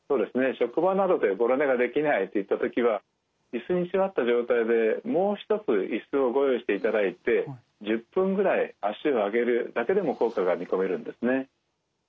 職場などでごろ寝ができないっていった時は椅子に座った状態でもう一つ椅子をご用意していただいて１０分ぐらい足を上げるだけでも効果が見込めるんですね。